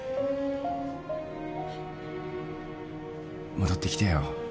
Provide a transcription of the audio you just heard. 戻ってきてよ。